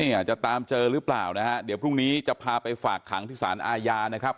เนี่ยจะตามเจอหรือเปล่านะฮะเดี๋ยวพรุ่งนี้จะพาไปฝากขังที่สารอาญานะครับ